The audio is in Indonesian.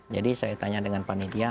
jadi saya tanya dengan panitia